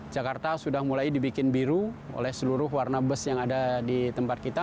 jakarta sudah mulai dibikin biru oleh seluruh warna bus yang ada di tempat kita